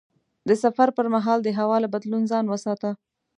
د سفر پر مهال د هوا له بدلون ځان وساته.